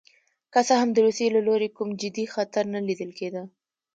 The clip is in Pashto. که څه هم د روسیې له لوري کوم جدي خطر نه لیدل کېده.